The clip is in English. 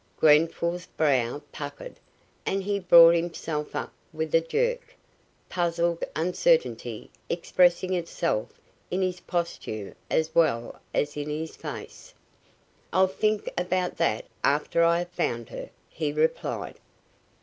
Grenfall's brow puckered and he brought himself up with a jerk, puzzled uncertainty expressing itself in his posture as well as in his face. "I'll think about that after I have found her," he replied.